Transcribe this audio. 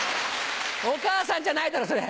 お母さんじゃないだろそれ。